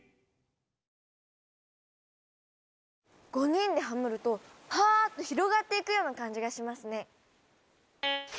５人でハモるとパーッと広がっていくような感じがしますね！